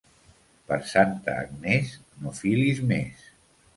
Per Santa Agnès no filis més.